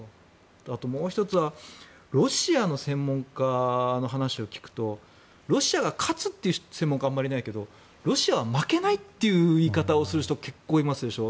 あともう１つはロシアの専門家の話を聞くとロシアが勝つと言う専門家はあまりいないけどロシアは負けないっていう言い方をする人は結構いますでしょ。